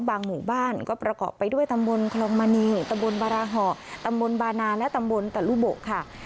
หมู่บ้านก็ประกอบไปด้วยตำบลคลองมณีตำบลบาราห่อตำบลบานาและตำบลตะลุโบค่ะ